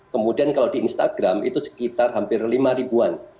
kemudian kalau di instagram itu sekitar hampir lima ribuan